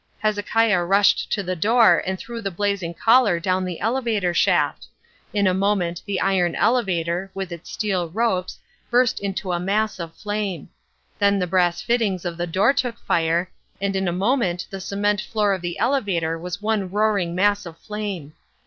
Hezekiah rushed to the door and threw the blazing collar down the elevator shaft. In a moment the iron elevator, with its steel ropes, burst into a mass of flame; then the brass fittings of the door took fire, and in a moment the cement floor of the elevator was one roaring mass of flame.